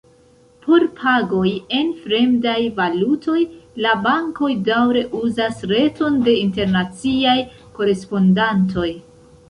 Por pagoj en fremdaj valutoj la bankoj daŭre uzas reton de internaciaj korespondantoj.